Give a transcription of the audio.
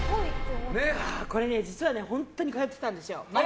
これ、実は本当に通ってたんですよ。